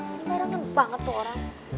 sembarangan banget tuh orang